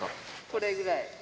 これぐらい。